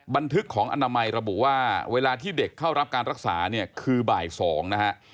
บันทึกของอนามัยระบุว่าเวลาที่เด็กเข้ารับการรักษาเนี่ยคือบ่าย๒นะฮะ